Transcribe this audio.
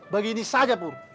begini saja pur